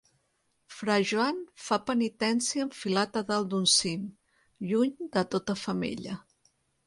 Fra Joan fa penitència enfilat a dalt d’un cim, lluny de tota femella.